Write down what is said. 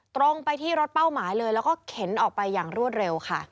ตรงไปที่รถเป้าหมายเลยแล้วก็เข็นออกไปอย่างรวดเร็วค่ะ